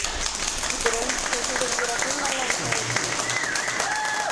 Ӱдырем, тый тудым йӧратен марлан кает мо?